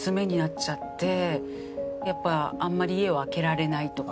やっぱあんまり家を空けられないとか。